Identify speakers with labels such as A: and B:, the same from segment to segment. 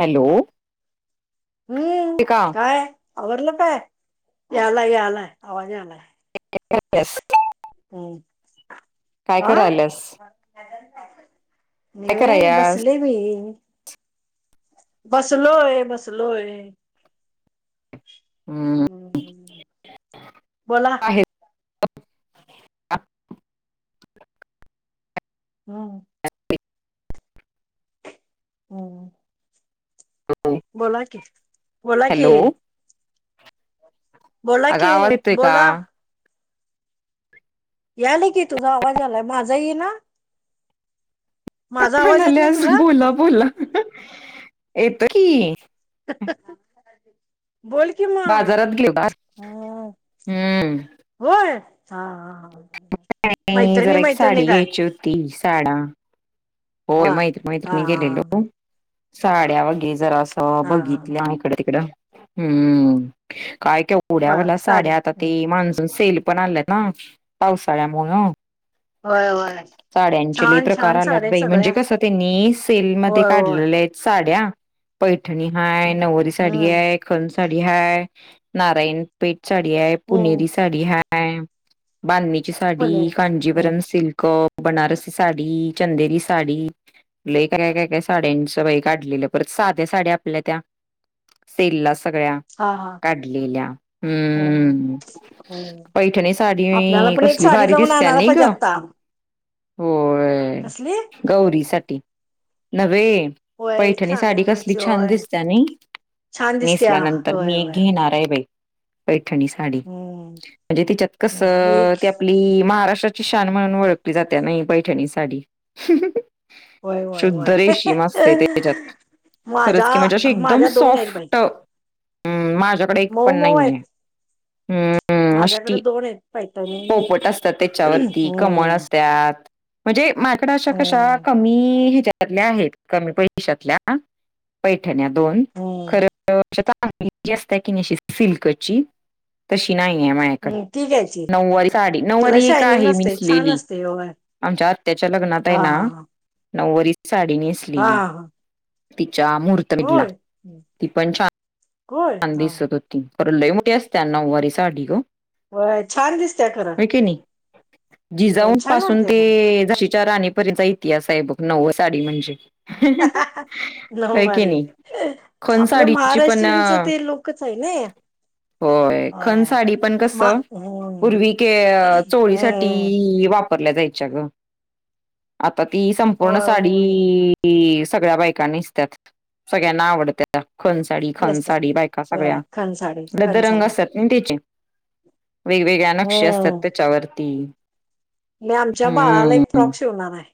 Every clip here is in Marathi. A: हॅलो
B: हम्म
A: का
B: काय आवरडलं काय याला या आलाय आवाज आलाय
A: स
B: हा हा
A: करायल्यास काय
B: नवे
A: करायल्यास
B: बसले भी बसलोय बसलोय
A: हम्म
B: बोला
A: का
B: होम होम बोला की बोला कि
A: हॅलो
B: बोला
A: अगं
B: कि
A: आवाज येतोय का
B: बोला याल की तुझा आवाजालाय माझा ये ना
A: काय
B: आवाज येत
A: म्हणाले
B: नाही
A: आज
B: तुला
A: बोला बोला येत की
B: बोल किमा
A: बाजारात गेलो का हम्म
B: होय
A: आणि
B: मैत्रिणी
A: जरा एक
B: मैत्रिणी
A: साडी
B: काय
A: घ्यायची होती साडा होय
B: हा
A: माहत माहत
B: हा
A: नि
B: हा
A: गेलेलो साड्या वागे जरा असं
B: हा
A: बघितलं इकडं तिकडं हम्म काय के उड्यावाला साड्या आता ते माणसून सेल पण आल्या ना पावसाळ्यामुळे
B: होय होय
A: साड्यांचे
B: छान
A: प्रकार
B: छान साड्या
A: आल्यात
B: आहेत
A: बाई म्हणजे
B: सगळ्या
A: कसं त्यांनी सेलमध्येध्ये
B: होय होय
A: काढलेले आहेत साड्या पैठणी हाय नवरारी साडी
B: हम्म
A: आहे खन साडी हाय नारायण पेठ साडी आहेय पुनेरी
B: हम्म
A: साडी हाय बानणीची साडी
B: बोलेल हम्म
A: कांजीवरम सिल्क बनारस साडी चंदेरी साडी ल का काय काय काय साड्यांचं बाई काढलेलं परत साध्या साड्या आपल्या त्या सेलला सगळ्या
B: हा हा
A: काढलेल्या हम्म
B: हम्म.
A: पैठणी
B: आपल्याला
A: साडी
B: पण
A: कस
B: एक
A: कली
B: साडी
A: भारी
B: जाऊन
A: दिसत
B: आणायला
A: नाही
B: पाहिजे
A: ग
B: आता
A: हो
B: कसली
A: गौरीसाठी नव्हे
B: होय एक
A: पैठणी साडी कसली
B: आणायची
A: छान
B: होय
A: दिसत ना
B: छान दिसत्या
A: नेसल्यानंतर
B: होय
A: मी
B: होय
A: घेणार आहे बाई पैठणी साडी
B: हम्म
A: म्हणजे ती चक्कस
B: हम्म. मी एक
A: त्या आपली महाराष्ट्राची शान म्हणून ओळखली जाते नाही पैठणी साडी
B: होय होय होय
A: शुद्धरे सीमस्थेते जत खरंच की म्हणजे अशी
B: माझ्या
A: एकदम
B: माझ्या दोन आहेत बाई
A: सॉफ्ट हम् माझ्याकडे एक
B: मऊ
A: पण
B: मऊ आहेत
A: नाही आहे हम्म
B: माझ्याकडे
A: अशी
B: दोन आहेत पैठणी
A: पोपट असतात
B: हम्म
A: त्याच्यावरती कमळ असत म्हण क
B: हम्म
A: क आहेत कमी पैशतल्या पैठण्या दोन
B: हम्म
A: खर असत कि नाही अशी सिल्कची तशी नाही आहे माझ्याकडे
B: हम्म ती घ्यायची
A: नऊवारी साडी
B: त्याला
A: नऊवारी एक
B: शायनिंग
A: आहे
B: असते छान
A: मिसलेली
B: असते होय
A: आमच्या आत्याच्या लग्नात आहे
B: हा
A: ना
B: हा
A: नव्वारी साडीनी
B: हा हा
A: असलेली
B: हा हा.
A: तिचा महूर्त विडला
B: होय
A: ती पण छान
B: होय
A: छान
B: हा
A: दिसत होती पर ल मुठ्या असत नव वारी साडी को
B: होय छान दिसत्या खरं
A: नाही जी
B: होय
A: जाऊन
B: छान वाटते खरं
A: जशीच्याार राणी पर्यंतचा इतिहास आहे बघ नऊव साडी म्हणजे क
B: नऊवारी
A: नाही खण
B: आपल्या
A: साडीची पण
B: महाराष्ट्रनच ते लोकच आहे ना
A: होय खण साडी पण कस
B: मा हम्म
A: पूर्वी के
B: हम्म
A: चोळीसाठी वापर आ तपू
B: होय
A: की
B: होय
A: सगळ्या बायकांनीसतात सगळ्यांना आवडत खंच साडी खण
B: नेसतात
A: साडी बायका
B: होय
A: सगळ्या
B: खणसाडी
A: लद रंग
B: खणसाडी
A: असतात ना त्याचे वेगवेगळ्या नक्षी असतात
B: हम्म
A: त्याच्यावरती
B: म आमच्या बाळाला एक फ्रॉक शिवणार आहे.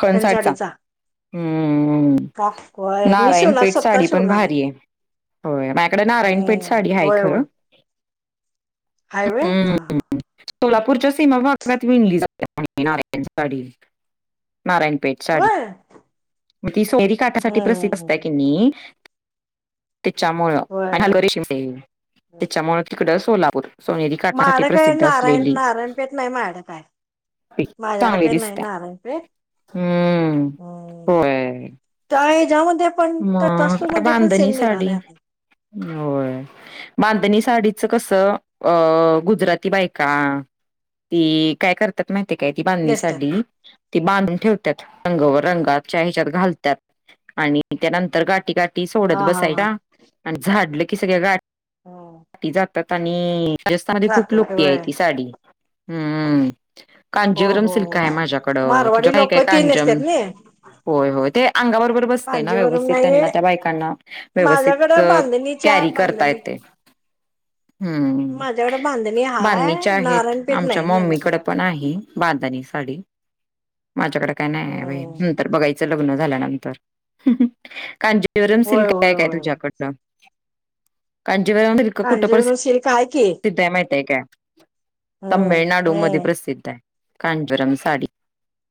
A: खणसाटचा
B: खनसाडीचा
A: हम्म
B: फ्रॉक होय मी
A: नारायण
B: शिवणार
A: पेठ
B: स्वतः
A: साडी पण
B: शिवणार
A: भारी आहे. होय माझ्याकडे नारायणपेठ
B: हम्म
A: साडी आहे खरं
B: हायवे हा हां.
A: सोलापूर च्या सीमा भाग विणली नारयण साडी नारायणपेठ साडी
B: होय
A: मग ती सोरी काटासाठी प्रसिद्ध असत
B: हम्म
A: कि त्याच्यामुळं
B: होय होय
A: त्याच्यामुळ तिकड सोलापूर सोनेरी काठासाठी प्रसिद्ध असलेली
B: पेठ नाही माझ्याड काय माझ्याड
A: चांगली
B: काही नाही
A: दिसत्या
B: नाराय पेठ
A: हम्म होय.
B: त्या ह ज्यामध्ये पण त्या
A: मग आता
B: वस्तूमध्ये पण
A: बांधणी
B: सेल
A: साडी
B: निघालणार.
A: होय. बांधणी साडीचं कसं अ गुजराती बायका ती काय करतात माहितीे काय ती बांधणी सा-
B: नेस्टर
A: ते बांधून ठेवतात रंगवर रंगातच्या हच्यात घालतात आणि त्यानंतर गाठी गाट सोडत
B: हा हा
A: बसाय
B: हा
A: का आणि झाडलं की सगळ्या गा
B: हम्म
A: जातात आणि राजस्थानमध्ये खूप
B: जातात
A: लोकपी आहे
B: होय
A: ती साडी हम्म
B: हो
A: कांजीवरम
B: हो
A: सिल्क
B: हो
A: आहे माझ्याकडं तुझ्या
B: मारवाडी
A: काय
B: लोक
A: काय
B: ती
A: कांजम
B: नेसतात नाई
A: होय हो ते अंगा बरोबर बसतेय ना
B: कांजीवरम
A: व्यवस्थित
B: नाही
A: त्यांना त्या बायकांना व्यवस्थित
B: माझ्याकडे बांधणीच्या
A: कॅरी करता
B: बांधणी
A: येते. हम्
B: माझ्याकडे बांधणी हाय
A: बधणीच्या आहेत.
B: नारायणपेठ
A: आमच्या
B: नाही माझ्याकडं
A: मम्मीकडे पण आहे बांधणी साडी माझ्याकडे काही नाही
B: हम्म
A: नंतर बघायचं लग्न झाल्यानंतर म
B: होय
A: सिल्क
B: होय
A: आहे काय
B: होय
A: तुझ्याकडन कांजीवरम कुठं पर
B: कांजीवरम सिल्क हाय की
A: सिद्ध आहे माहती आहे का?
B: हम्म
A: तमिळनाडू मध्ये
B: हम्म
A: प्रसिद्ध आहे कांजुरम साडी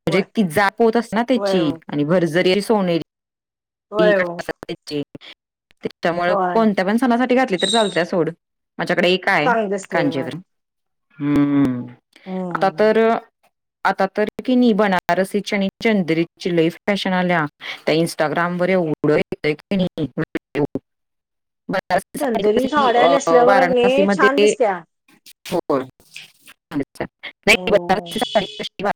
A: म्हणजे
B: वय
A: ती जाप होत अस ना
B: वय
A: त्याची
B: ओ
A: आणि भरजरी सोनेली
B: वय ओ
A: त्याच्यामुळे
B: होय
A: कोणत्या पण सणासाठी घातली तररी चालते सोड माझ्याकडे आहे
B: तांगचतेव
A: कांजीवरम हम्म हम् आता
B: हम्म
A: तर आता तर की नाही बनारसीची आणि चंद्रची लईफ फॅशन आल्या त्या इंस्टाग्राम वर येऊढ पुढ क नाही.
B: चंदेरी साड्या
A: अ
B: नेसल्यावर कणी छान
A: वाराणसीमध्ये
B: दिसत्या
A: हो अच्छ
B: हम्म
A: नाही ब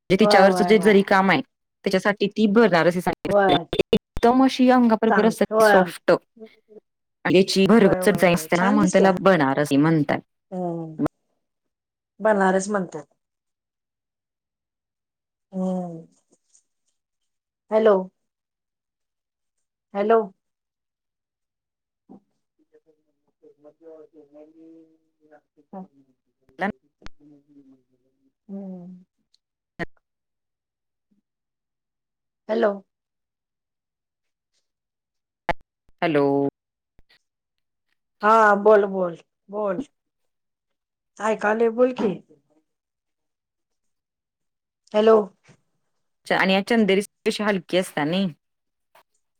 A: [inaudible] जे
B: होय
A: तिच्यावरच
B: होय
A: जे
B: होय
A: जरी काम आहे त्याच्यासाठी ती भरणार असे.
B: होय
A: एकदम अशींगा परबर
B: चांगल
A: अस त
B: होय
A: सॉफ्ट आणिची भरग
B: होय होय होय
A: जासते ना
B: छान
A: म्हण
B: दिसत्या
A: त्याला बनारस म्हणतात.
B: हम्म बनारस म्हणतात. हम्म हॅलो. हॅलो. मज म
A: म्हटलं ना,
B: हम्म. हॅलो.
A: हॅलो.
B: हा बोल बोल बोल ऐकाले बोल की हॅलो.
A: आणि या चंदेरी कशी हलकी असतात ना.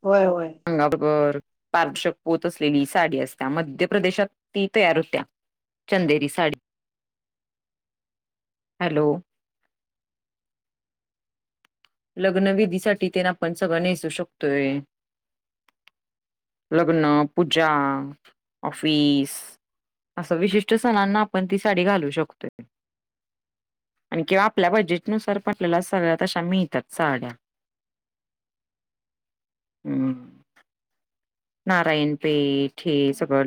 B: होय होय.
A: अंगा बरोबर पारदर्शक पोत असलेली साडी असत्या मध्य प्रदेशात ती तयार होत्या. चंदरी साडी हॅलो लग्न विधीसाठी ते आपण सगळं नेसू शकतोय. लग्न, पूजा, ऑफिस असं विशिष्ट सणांना आपण ती साडी घालू शकतोय. आणि किंवा आपल्या बजेटनुसार पटलेला सगळ्या तशा मिळतात. साड्या ह नारायणपेठ हे सगळ